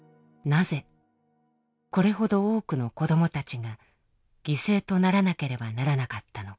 なぜこれほど多くの子どもたちが犠牲とならなければならなかったのか。